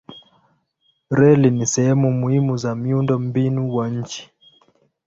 Reli ni sehemu muhimu za miundombinu wa nchi.